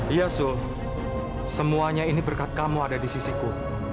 iya sul semuanya ini berkat kamu ada di sisiku